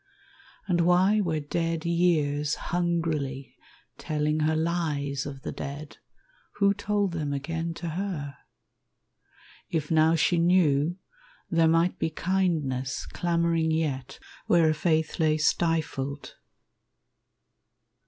And why were dead years hungrily telling her Lies of the dead, who told them again to her? If now she knew, there might be kindness Clamoring yet where a faith lay stifled.